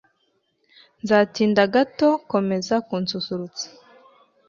Nzatinda gato. Komeza kunsusurutsa